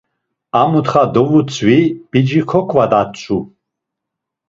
A mutxa devutzvi p̌ici koǩvadatzu.